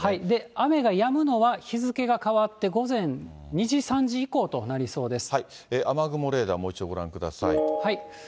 雨がやむのは、日付が変わって、午前２時、雨雲レーダー、もう一度ご覧ください。